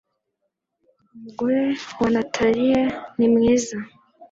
Umugore wa Nathaniel ni mwiza